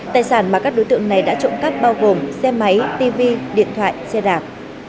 tài sản mà các đối tượng này đã trộm cắp bao gồm xe máy tv điện thoại xe đạp